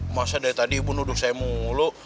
masa dari tadi ibu nuduh saya mulu